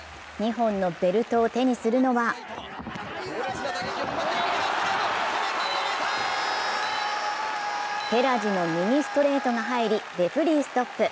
２本のベルトを手にするのは寺地の右ストレートが入り、レフェリーストップ。